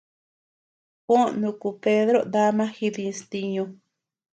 Juó nuku Pedro dama dijis ntiñu.